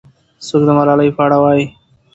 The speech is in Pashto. څوک د ملالۍ په اړه وایي؟